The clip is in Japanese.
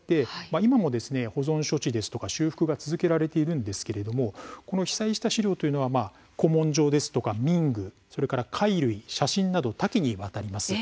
今も保存処置ですとか修復が続けられているんですが被災した資料というのは古文書ですとか民具貝類、写真など多岐にわたるんです。